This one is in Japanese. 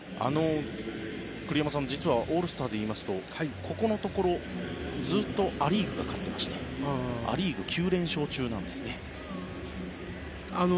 栗山さん実はオールスターでいいますとここのところずっとア・リーグが勝ってましてア・リーグ９連勝中なんですね。